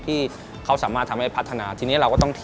ที่เขาสามารถทำให้พัฒนา